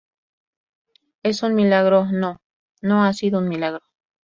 es un milagro. no, no ha sido un milagro